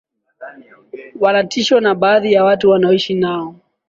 wanatishwa na baadhi ya watu wanaoishi nao